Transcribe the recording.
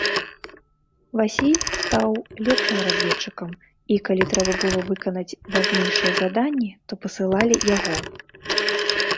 Васіль стаў лепшым разведчыкам, і калі трэба было выканаць важнейшыя заданні, то пасылалі яго.